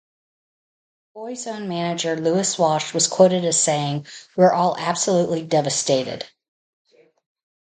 Boyzone manager Louis Walsh was quoted as saying: We're all absolutely devastated.